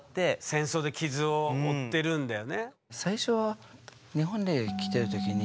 戦争で傷を負ってるんだよね。